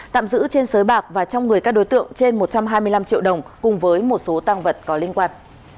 tạm giữ trên sới bạc và trong người các đối tượng trên một trăm hai mươi năm triệu đồng cùng với một số tăng vật có liên quan